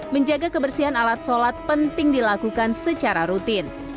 menjaga kebersihan alat sholat penting dilakukan secara rutin